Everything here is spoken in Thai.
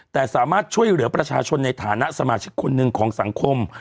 แต่สามารถช่วยเหลือประชาชนในฐานะสมาชิกคนหนึ่งของสังคม